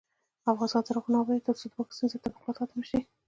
افغانستان تر هغو نه ابادیږي، ترڅو د واکسین ضد تبلیغات ختم نشي.